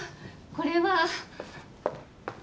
これは。